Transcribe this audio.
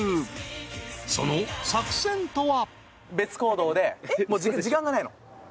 ［その作戦とは］